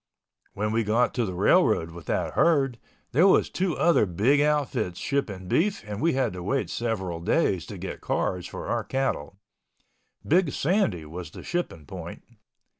When we got to the railroad with that herd, there was two other big outfits shipping beef and we had to wait several days to get cars for our cattle. Big Sandy was the shipping point.